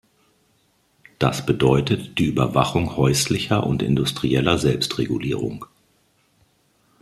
Das bedeutet die Überwachung häuslicher und industrieller Selbstregulierung.